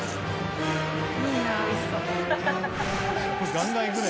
ガンガンいくね。